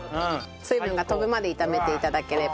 水分が飛ぶまで炒めて頂ければ。